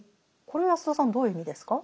これは安田さんどういう意味ですか？